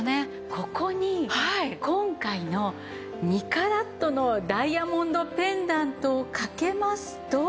ここに今回の２カラットのダイヤモンドペンダントをかけますと。